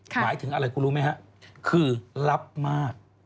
หมายถึงอะไรคุณรู้ไหมฮะคือลับมาก